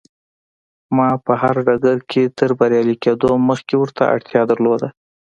ما په هر ډګر کې تر بريالي کېدو مخکې ورته اړتيا درلوده.